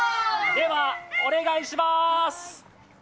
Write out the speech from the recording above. ではお願いします！